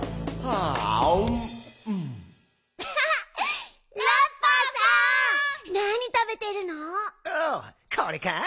ああこれか？